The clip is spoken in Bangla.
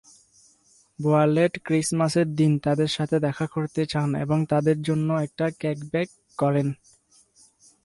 ভায়োলেট ক্রিসমাসের দিন তাদের সাথে দেখা করতে চান, এবং তাদের জন্য একটা কেক বেক করেন।